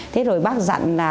thế rồi bác dặn là